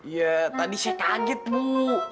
ya tadi sih kaget bu